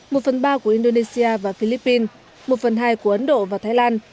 một phần ba của indonesia và philippines một phần hai của ấn độ và thái lan